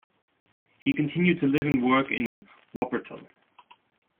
He continued to live and work in Wuppertal.